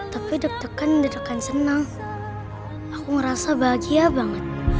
tapi deg degan senang aku merasa bahagia banget